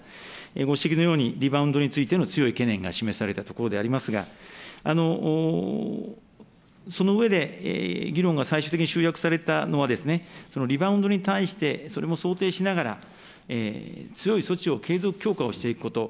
ご指摘のようにリバウンドについての強い懸念が示されたところでありますが、その上で議論が最終的に集約されたのは、リバウンドに対して、それも想定しながら、強い措置を継続強化をしていくこと。